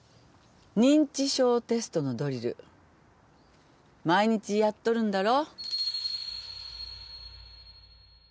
認知症テストのドリル毎日やっとるんだろ？